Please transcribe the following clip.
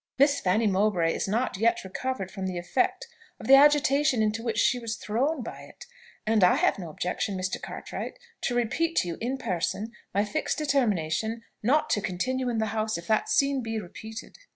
Miss Fanny Mowbray is not yet recovered from the effects of the agitation into which she was thrown by it; and I have no objection, Mr. Cartwright, to repeat to you in person my fixed determination not to continue in the house if that scene be repeated."